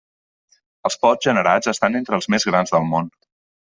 Els pots generats estan entre els més grans del món.